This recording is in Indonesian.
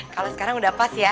kalau sekarang udah pas ya